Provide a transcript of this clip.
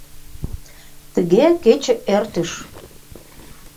Тыге кече эртыш.